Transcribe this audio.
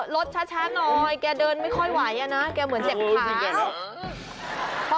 รถช้าหน่อยแกเดินไม่ค่อยไหวอ่ะนะแกเหมือนเจ็บขา